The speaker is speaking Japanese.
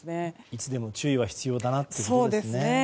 いつでも注意が必要だなということですね。